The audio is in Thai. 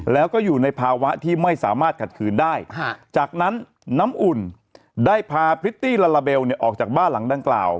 แล้วก็อยู่ในภาวะที่ไม่สามารถขัดขืนได้จากนั้นน้ำอุ่นได้พาพริตตี้ลาลาเบลออกจากบ้านหลังดังกล่าว